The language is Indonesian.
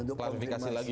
untuk konfirmasi lagi